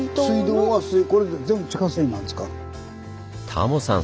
タモさん